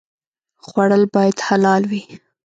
خوړل باید حلال وي